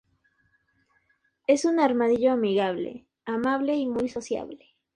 Es un armadillo amigable, amable y muy sociable.